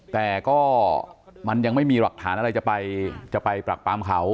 แต่ก็มันยังไม่มีหลักฐานอะไรจะไปปรักปามเขา